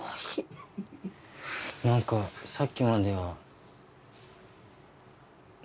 何かさっきまでは。